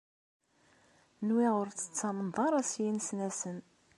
Nwiɣ ur tettamneḍ ara s yinesnasen.